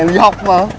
em đi học mà